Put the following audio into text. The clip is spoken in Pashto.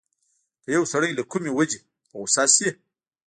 که يو سړی له کومې وجې په غوسه شي.